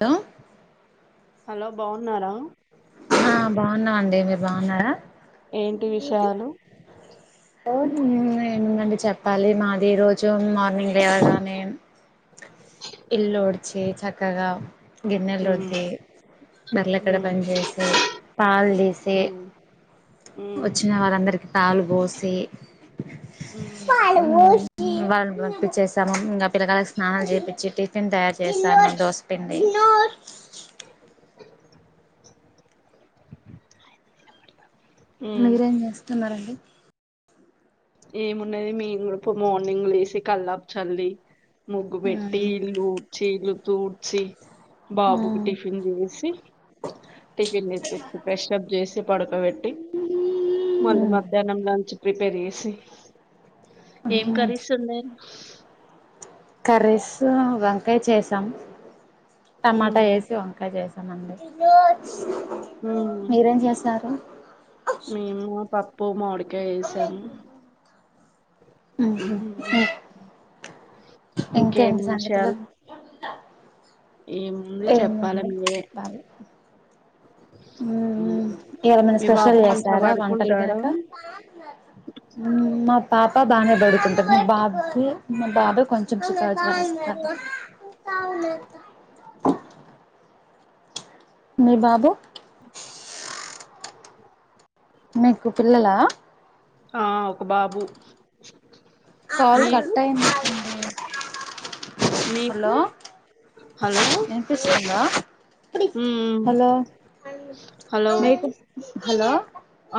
లో హలో బాగున్నారా ఆ బాగున్నామండి మీరు బాగున్నారా ఏంటి విషయాలు ఏమున్నా ఏముందండి చెప్పాలి మాది రోజు మార్నింగ్ లేవగానే ఉమ్ ఇల్లు ఉడిచి చ క్కగా గిన్నెలు ఉమ్ రుద్ది బర్రెల కాడ ఉమ్ పని చేసి పాలు తీసి ఉమ్ ఉమ్ వచ్చిన వారందరికి పాలు పోసి పాలు వొషి పంపించేశాము ఇంకా పిల్లగా స్నానాలు చేపించి టిఫిన్ తయారు చేస్తాను దోశపిండి ఉమ్ మీరేం చేస్తున్నారండి ఏమున్నది మేం గూడా పో మార్నింగ్ లేసి కల్లాపు చల్లి ముగ్గు పెట్టి ఇల్లు ఉడిచి తూడ్చి బాబుకి టిఫిన్ చేసి టిఫిన్ పెట్టేస్తా ఫ్రెష్ అప్ చేసి పడకోబెట్టి మళ్ళీ మధ్యాహ్నం లంచ్ ప్రిపేర్ చేసి ఏం కర్రీస్ ఉన్నాయి కర్రీస్ వంకాయ చేసాం టమాటా వేసి వంకాయా చేస్తా అంది మీరేం చేస్తారు మేము పప్పు మామిడి కాయ యేసాం ఆహ ఇంకా ఇంకేం ఏంటి సంగతులు విషయాలు ఏముంది చెప్పాలి ఏముంది మీరే చెప్పాలి ఉ ఉ ఉమ్. ఇవాళ ఎమన్నా మీ స్పెషల్ బాబు మంచిగా చేసారా వంటలు పడుకుంటాడా గనక మా పాప ఆ బాగనే పడుకుంటాడు మా బాబుకు మా బాబె కొంచెం చిక మీ బాబు మీకు పిల్లలా ఆ ఒక బాబు కాల్ మీకు కట్ అయినట్టు ఉంది మీకు హలో హలో వినిపిస్తుందా మ్మ్ హలో హలోకు హలో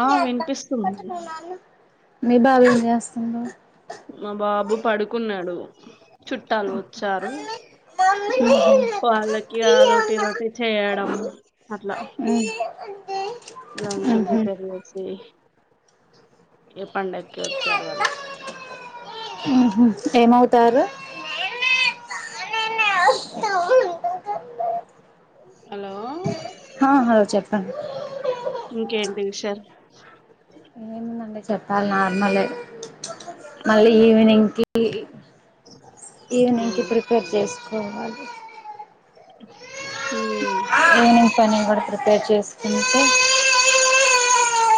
ఆ వినిపిస్తుంది మీ బాబ చేస్త బా మా బాబు పడుకున్నాడు చుట్టాలు వచ్చారు వాళ్ళకి అదొటి ఇదోటి చేయడం అట్లా బలాన్ ఉహు చెప్పయి పసి ఈ పండగకి వచ్చారు వాళ్ళు తర హలో హా హలో చెప్పు అ ఇంకేంటి విషయాలు ఏముందండి చెప్పాలి నార్మలే మళ్ళీ ఈవినింగ్ కి ఈవినింగ్ కి మ్మ్ ప్రిపేర్ చేస్త పోవాలి మ్మ్ ఈవినింగ్ పని కూడా ప్రిపేర్ చేసుకుంటే